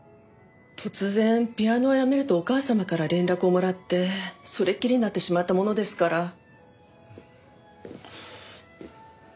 突然ピアノをやめるとお母様から連絡をもらってそれっきりになってしまったものですから。